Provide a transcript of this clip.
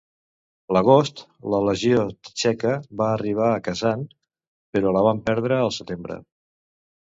L'agost la Legió Txeca va arribar a Kazan però la van perdre el setembre.